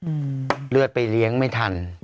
เลือดไปเลี้ยงไม่ทัน